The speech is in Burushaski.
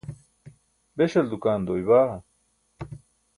beśal dukaan doy baa?